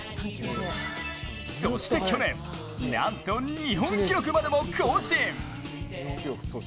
そして去年、なんと日本記録までも更新。